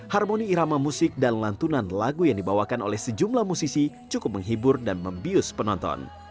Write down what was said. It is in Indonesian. harmoni irama musik dan lantunan lagu yang dibawakan oleh sejumlah musisi cukup menghibur dan membius penonton